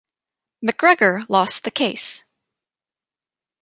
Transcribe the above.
MacGregor lost the case.